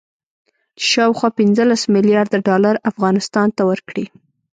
چې شاوخوا پنځلس مليارده ډالر افغانستان ته ورکړي